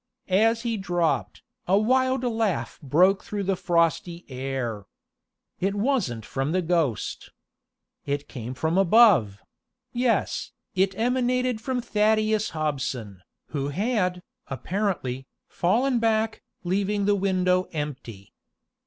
As he dropped, a wild laugh broke through the frosty air. It wasn't from the ghost. It came from above yes, it emanated from Thaddeus Hobson, who had, apparently, fallen back, leaving the window empty.